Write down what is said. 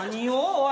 おい！